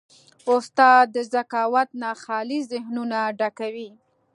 استاد د ذکاوت نه خالي ذهنونه ډکوي.